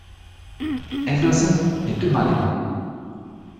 Anderson lebt in Malibu.